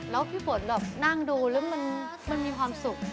แล้วพี่ฝนแบบนั่งดูแล้วมันมีความสุข